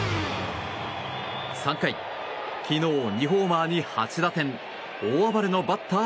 ３回、昨日２ホーマーに８打点大暴れのバッター